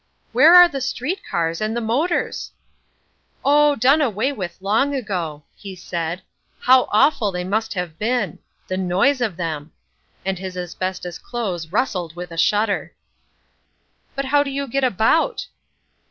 "Where are the street cars and the motors?" "Oh, done away with long ago," he said; "how awful they must have been. The noise of them!" and his asbestos clothes rustled with a shudder. "But how do you get about?"